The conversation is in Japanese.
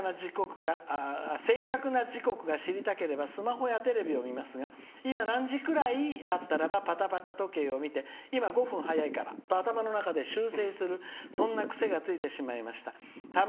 正確な時刻が知りたければスマホやテレビを見ますが今何時ぐらい？という時はパタパタ時計を見て今、５分早いからと頭の中で修正するそんな癖がついてしまいました。